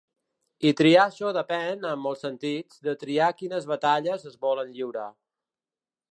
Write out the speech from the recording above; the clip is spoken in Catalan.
I triar això depèn, en molts sentits, de triar quines batalles es volen lliurar.